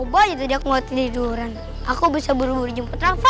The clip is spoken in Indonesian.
coba aja tadi aku gak tiduran aku bisa berhuri huri jumpa trava